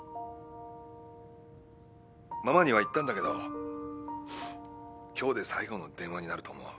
ママには言ったんだけど今日で最後の電話になると思う。